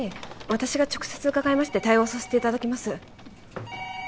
私が直接伺いまして対応させていただきます